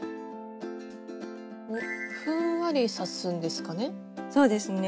ふんわり刺すんですかね？